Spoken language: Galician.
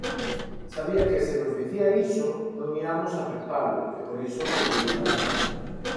Sabía que se nos dicía iso non iamos aceptalo e por iso preferiu calar.